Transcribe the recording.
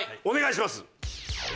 お願いします。